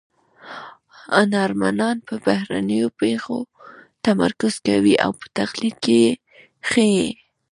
هنرمنان پر بهرنیو پېښو تمرکز کوي او په تقلید کې یې ښيي